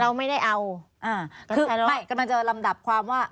เราไม่ได้เอาอ่าคือไม่กำลังจะลำดับความว่า